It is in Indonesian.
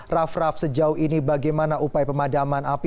raff raff sejauh ini bagaimana upaya pemadaman api